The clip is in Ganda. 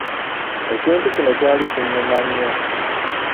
Ekintu kino kyali kinnuma nnyo.